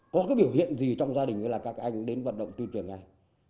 có cái biểu hiện gì trong gia đình là các anh đến vận động tuyên truyền ngay